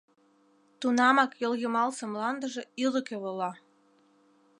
Тунамак йолйымалсе мландыже ӱлыкӧ вола.